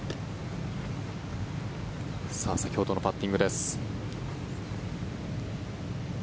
先ほどのパッティングです。